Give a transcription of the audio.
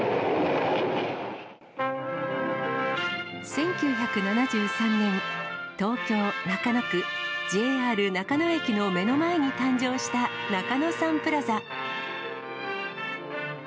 １９７３年、東京・中野区、ＪＲ中野駅の目の前に誕生した中野サンプラザ。